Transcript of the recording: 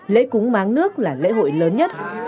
lễ cúng máng nước là lễ hội lớn nhất